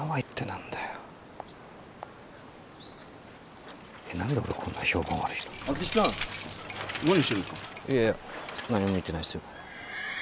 いやいや何も見てないっすよ。